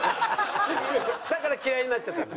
だから嫌いになっちゃったんだ？